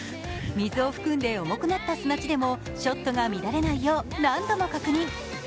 水を含んで重くなった砂地でもショットが乱れないよう何度も確認。